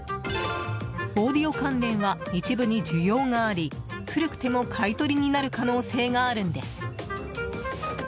オーディオ関連は一部に需要があり古くても、買い取りになる可能性があるんです。